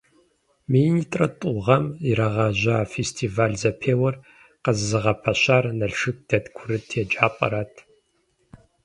Минитӏрэ тӏу гъэм ирагъэжьа фестиваль-зэпеуэр къызэзыгъэпэщар Налшык дэт курыт еджапӏэрат.